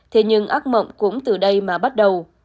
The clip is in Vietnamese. thế nhưng ác mộng cũng từ đây mà bắt đầu